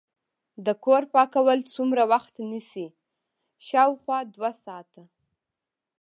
د کور پاکول څومره وخت نیسي؟ شاوخوا دوه ساعته